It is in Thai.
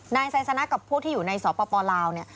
นายไซซานะกับพวกที่อยู่ในสปลาว